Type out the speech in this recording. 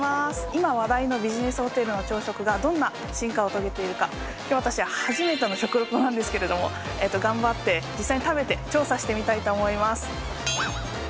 今、話題のビジネスホテルの朝食が、どんな進化を遂げているか、私、初めての食レポなんですけれども、頑張って、実際に食べて調査してみたいと思います。